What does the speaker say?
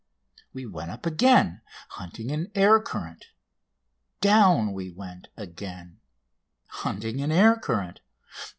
Up we went again, hunting an air current. Down we went again, hunting an air current.